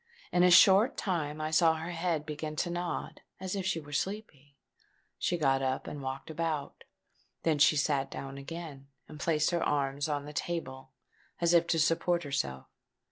In a short time I saw her head begin to nod as if she was sleepy: she got up, and walked about. Then she sate down again, and placed her arms on the table as if to support herself.